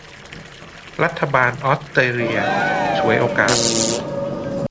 รัฐบาลออสเตรเลียฉวยโอกาส